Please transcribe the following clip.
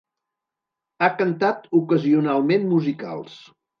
Ha cantat ocasionalment musicals.